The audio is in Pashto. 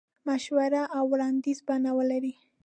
مشورې او وړاندیز بڼه ولري.